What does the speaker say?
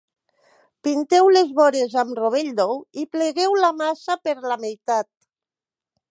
Pinteu les vores amb rovell d’ou i plegueu la massa per la meitat.